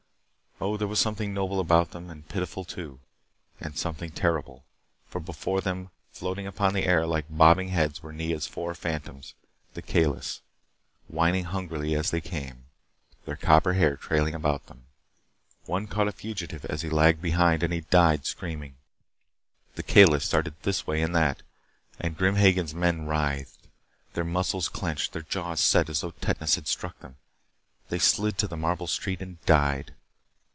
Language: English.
Oh, there was something noble about them, and pitiful too. And something terrible. For before them, floating upon the air like bobbing heads were Nea's four fantoms, the Kalis, whining hungrily as they came, their copper hair trailing about them. One caught a fugitive as he lagged behind and he died screaming. [Illustration: Grim Hagen's men writhed helplessly in the grip of the Kalis' deadly copper hairs!] The Kalis darted this way and that and Grim Hagen's men writhed. Their muscles clenched. Their jaws set as though tetanus had struck them. They slid to the marble street and died.